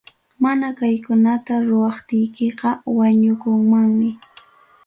Mana kaykunata ruwaptikiqa, wañukunmanmi.